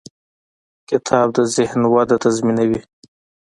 کتاب د ذهن وده تضمینوي.